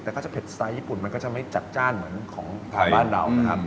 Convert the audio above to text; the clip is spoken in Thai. แต่ถ้าจะเผ็ดญี่ปุ่นมันก็จะไม่จัดจ้านเหมือนของทางบ้านเรานะครับ